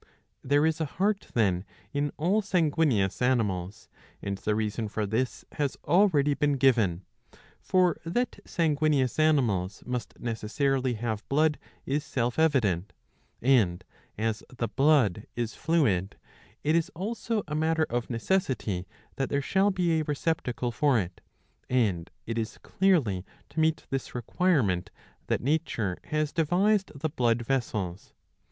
* There is a heart, then, in 665 b. iii. 4. 6^ all sanguineous animals, and the reason for this has already been given. For that sanguineous animals must necessarily have blood is self evident. And, as the blood is fluid, it is also a matter of necessity that there shall be a receptacle for it ; and it is clearly to meet this requirement that nature has devised the blood vessels.